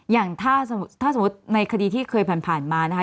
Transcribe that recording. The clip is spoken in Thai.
อย่างถ้าสมมุติในคดีที่เคยผ่านมานะคะ